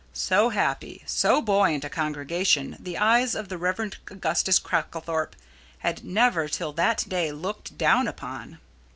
So happy, so buoyant a congregation the eyes of the Rev. Augustus Cracklethorpe had never till that day looked down upon.